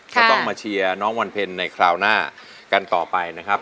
ก็ต้องมาเชียร์น้องวันเพ็ญในคราวหน้ากันต่อไปนะครับ